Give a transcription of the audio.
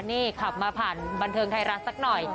นี่ขับมาผ่านบันเทิงไทยรัฐสักหน่อย